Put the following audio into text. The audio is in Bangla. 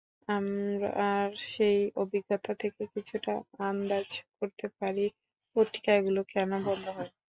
আমার সেই অভিজ্ঞতা থেকে কিছুটা আন্দাজ করতে পারি, পত্রিকাগুলো কেন বন্ধ হয়।